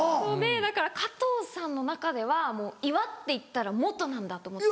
だから加藤さんの中では「岩」っていったら「本」なんだと思って。